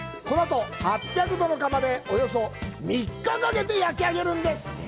このあと、８００度の窯でおよそ３日かけて焼き上げるんです。